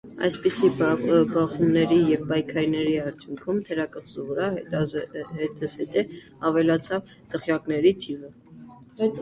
Այսպիսի բախումների և պայքարի արդյունքում թերակղզու վրա հետզհետե ավելացավ դղյակների թիվը։